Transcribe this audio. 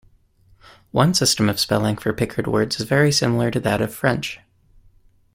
One system of spelling for Picard words is very similar to that of French.